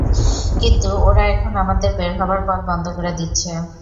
কিন্তু ওরা এখন আমাদের বের হবার পথ বন্ধ করে দিচ্ছে।